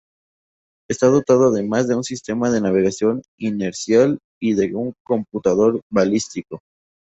Está dotado además de un sistema de navegación inercial y de un computador balístico.